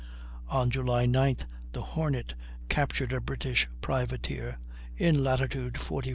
On July 9th, the Hornet captured a British privateer, in latitude 45° 30' N.